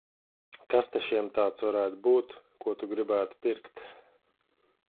Kas te šiem tāds varētu būtu, ko tu gribētu pirkt?